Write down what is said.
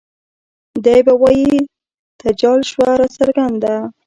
دے به وائي تجال شوه راڅرګنده